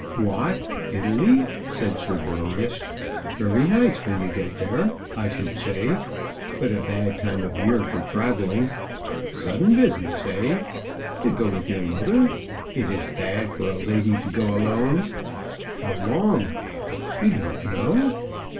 "What, Italy?" said Sir Boreas. "Very nice when you get there, I should say, but a bad time of year for travelling. Sudden business, eh? To go with your mother! It is bad for a lady to go alone. How long? You don't know?